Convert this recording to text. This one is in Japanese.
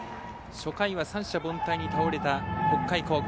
初回は三者凡退に倒れた北海高校。